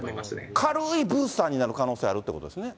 軽いブースターになる可能性があるということですね。